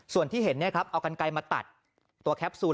ส่วนที่เห็นเอากันไกลมาตัดตัวแคปซูล